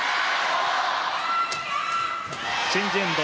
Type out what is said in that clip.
チェンジエンド